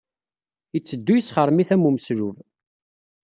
Yetteddu yesxermit am umeslub.